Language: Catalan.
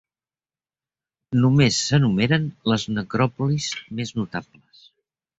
Només s'enumeren les necròpolis més notables.